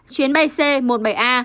chuyến bay c một mươi bảy a